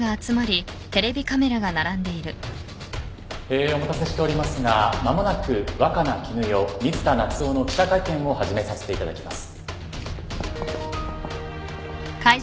えお待たせしておりますが間もなく若菜絹代水田夏雄の記者会見を始めさせていただきます。